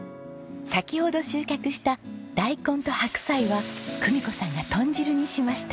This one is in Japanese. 先ほど収穫したダイコンと白菜は久美子さんが豚汁にしました。